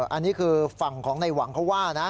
อันนี้คือฝั่งของในหวังเขาว่านะ